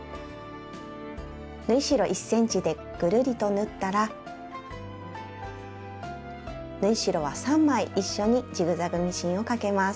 縫い代１ｃｍでぐるりと縫ったら縫い代は３枚一緒にジグザグミシンをかけます。